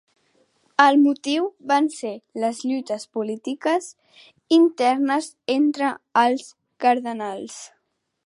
El motiu van ser les lluites polítiques internes entre els cardenals.